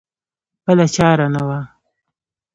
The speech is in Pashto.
بله چاره نه وه.